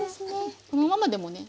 このままでもね